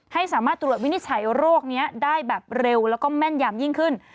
ให้สามารถตรวจวินิจฉัยโรคนี้ได้แบบเร็วแล้วก็แม่นยำยิ่งขึ้น